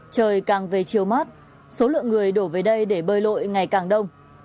trời càng về chiều mát số lượng người đổ về đây để bơi lội ngày càng đông